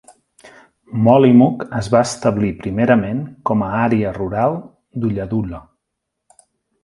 Mollymook es va establir primerament com a àrea rural d'Ulladulla.